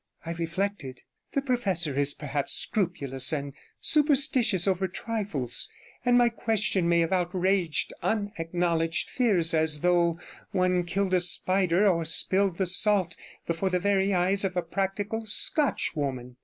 I reflected; 'the professor is perhaps scrupulous and superstitious over trifles, and my question may have outraged unacknowledged fears, as though one killed a spider or spilled the salt before the very eyes of a practical Scotchwoman.'